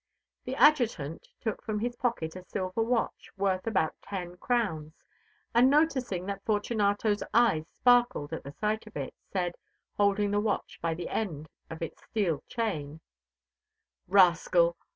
The Adjutant took from his pocket a silver watch worth about ten crowns, and noticing that Fortunato's eyes sparkled at the sight of it, said, holding the watch by the end; of its steel chain: "Rascal!